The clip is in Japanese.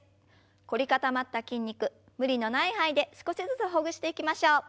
凝り固まった筋肉無理のない範囲で少しずつほぐしていきましょう。